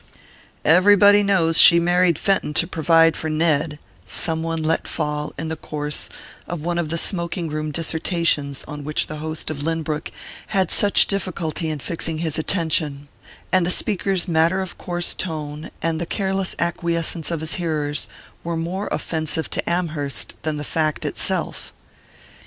"Everybody knows she married Fenton to provide for Ned," some one let fall in the course of one of the smoking room dissertations on which the host of Lynbrook had such difficulty in fixing his attention; and the speaker's matter of course tone, and the careless acquiescence of his hearers, were more offensive to Amherst than the fact itself.